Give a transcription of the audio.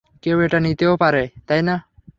কেউ এটা নিতেও পারে, তাই না?